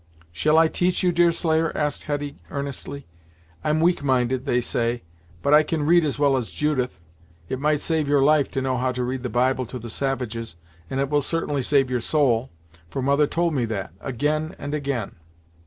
"Shall I teach you, Deerslayer?" asked Hetty, earnestly. "I'm weak minded, they say, but I can read as well as Judith. It might save your life to know how to read the Bible to the savages, and it will certainly save your soul; for mother told me that, again and again!"